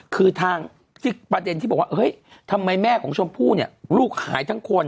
คือทางที่ประเด็นที่บอกว่าเฮ้ยทำไมแม่ของชมพู่เนี่ยลูกหายทั้งคน